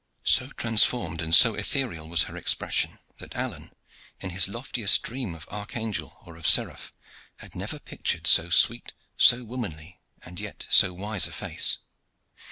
So transformed and so ethereal was her expression, that Alleyne, in his loftiest dream of archangel or of seraph, had never pictured so sweet, so womanly, and yet so wise a face.